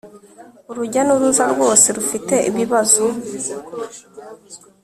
urujya n'uruza rwose rufite ibibazo